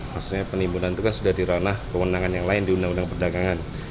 maksudnya penimbunan itu kan sudah di ranah kewenangan yang lain di undang undang perdagangan